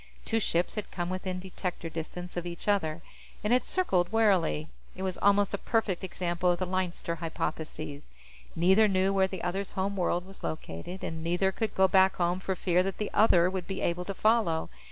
Two ships had come within detector distance of each other, and had circled warily. It was almost a perfect example of the Leinster Hypothesis; neither knew where the other's home world was located, and neither could go back home for fear that the other would be able to follow.